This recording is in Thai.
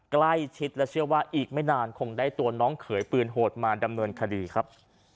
ใกล้ชิดและเชื่อว่าอีกไม่นานคงได้ตัวน้องเขยปืนโหดมาดำเนินคดีครับ